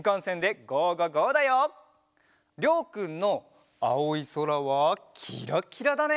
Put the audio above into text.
りょうくんのあおいそらはキラキラだね。